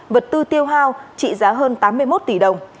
vật tư tiêu hao trị giá hơn tám mươi một tỷ đồng